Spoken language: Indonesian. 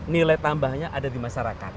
nilai tambahnya ada di masyarakat